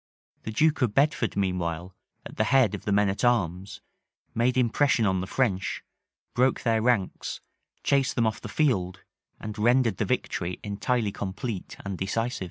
The duke of Bedford, meanwhile, at the head of the men at arms, made impression on the French, broke their ranks, chased them off the field, and rendered the victory entirely complete and decisive.